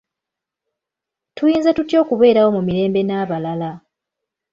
Tuyinza tutya okubeerawo mu mirembe n'abalala?